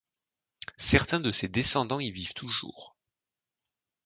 Certains de ses descendants y vivent toujours.